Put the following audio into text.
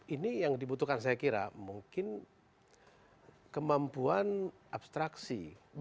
ini yang dibutuhkan saya kira mungkin kemampuan abstraksi